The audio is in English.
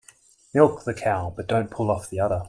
Milk the cow but don't pull off the udder.